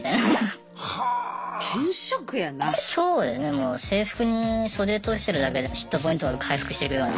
もう制服に袖通してるだけでヒットポイントが回復してくような。